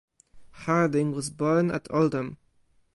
Harding was born at Oldham.